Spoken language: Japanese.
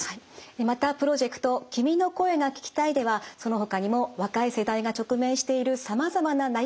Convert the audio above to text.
またプロジェクト「君の声が聴きたい」ではそのほかにも若い世代が直面しているさまざまな悩みや課題も特集しています。